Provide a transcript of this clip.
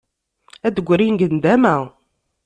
Ad d-grin deg nndama.